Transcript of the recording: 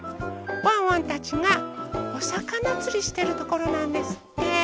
ワンワンたちがおさかなつりしてるところなんですって。